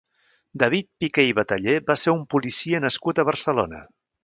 David Piqué i Batallé va ser un policia nascut a Barcelona.